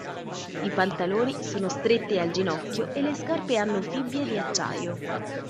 I pantaloni sono stretti al ginocchio e le scarpe hanno fibbie di acciaio.